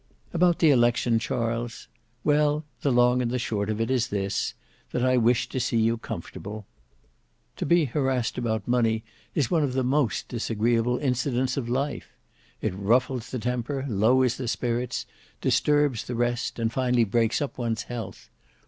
"About the election, Charles. Well, the long and short of it is this: that I wish to see you comfortable. To be harassed about money is one of the most disagreeable incidents of life. It ruffles the temper, lowers the spirits, disturbs the rest, and finally breaks up one's health.